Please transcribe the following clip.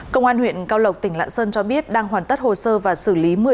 công an huyện cao lộc tỉnh lạng sơn cho biết đang hoàn tất hồ sơ và xử lý